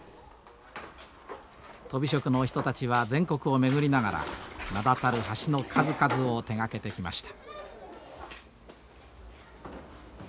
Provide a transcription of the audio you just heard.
とび職の人たちは全国を巡りながら名だたる橋の数々を手がけてきました。